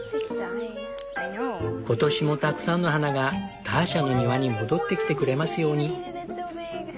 今年もたくさんの花がターシャの庭に戻ってきてくれますように。